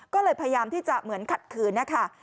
ก็เลยพยายามที่จะเหมือนขัดขืนนะคะ